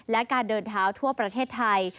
และการเดินเท้าทั่วประเทศไทย